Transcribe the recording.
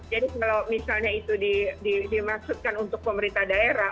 jadi kalau misalnya itu dimaksudkan untuk pemerintah daerah